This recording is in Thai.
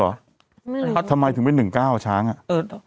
เป็นการกระตุ้นการไหลเวียนของเลือด